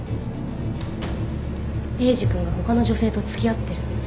エイジ君が他の女性と付き合ってる。